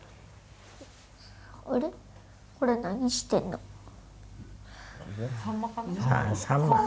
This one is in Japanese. あれこれ何してんの？